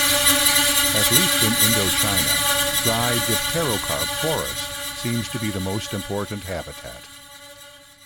At least in Indochina, dry dipterocarp forest seems to be the most important habitat.